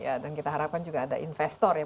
ya dan kita harapkan juga ada investor ya